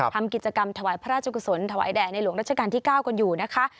ทำกิจกรรมถวายพระราชกุศลถวายแด่ในหลวงรัชกาลที่๙กันอยู่นะคะ